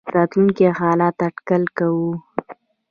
راتلونکي حالات اټکل کړو.